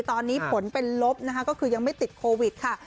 ตอนนี้ผลเป็นลบนะคะก็คือยังไม่ติดโควิดค่ะ